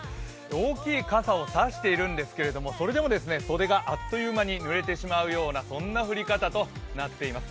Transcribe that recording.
大きい傘を差しているんですけれども、それでも袖があっという間にぬれてしまうようなそんな降り方となっています。